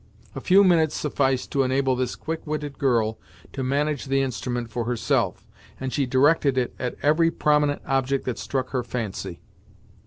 A few minutes sufficed to enable this quick witted girl to manage the instrument for herself, and she directed it at every prominent object that struck her fancy.